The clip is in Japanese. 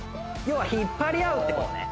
要は引っ張り合うってことね